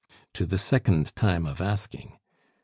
"To the second time of asking."